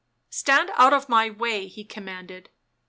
" Stand out of my way," he commanded.